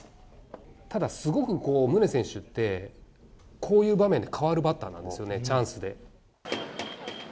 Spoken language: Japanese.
ただ、すごく宗選手って、こういう場面で変わるバッターなんですよね、チャンスで。